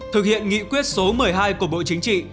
thực hiện nghị quyết số một mươi hai của bộ chính trị